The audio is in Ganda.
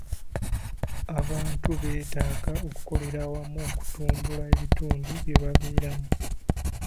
Abantu beetaaga okukolera awamu okutumbula ebitundu bya babeeramu.